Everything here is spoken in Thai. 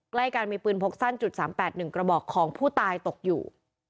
ใกล้กันมีปืนพกสั้น๓๘๑กระบอกของผู้ตายตกอยู่